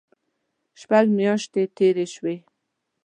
شپږ میاشتې تېرې شوې.